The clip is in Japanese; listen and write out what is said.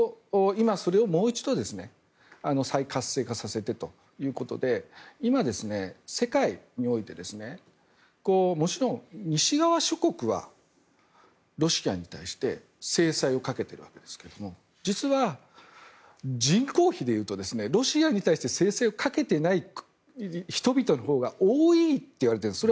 今、それをもう一度再活性化させてということで今、世界においてもちろん西側諸国はロシアに対して制裁をかけているわけですけど実は人口比でいうとロシアに対して制裁をかけていない人々のほうが多いといわれています。